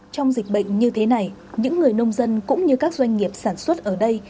trong dịch bệnh như thế này những người nông dân cũng như các doanh nghiệp sản xuất ở đây